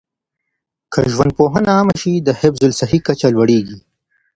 که ژوندپوهنه عامه شي، د حفظ الصحې کچه لوړيږي.